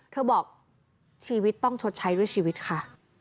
เธอบอกชีวิตต้องชดใช้ด้วยชีวิตค่ะ